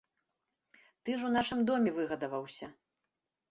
Ты ж у нашым доме выгадаваўся.